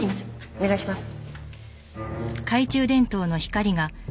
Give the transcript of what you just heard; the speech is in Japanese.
お願いします。